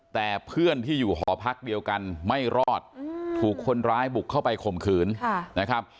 แต่เพื่อนที่อยู่หอพักเดียวกันไม่รอดถูกคนร้ายบุกเข้าไปข่มขืนนะครับ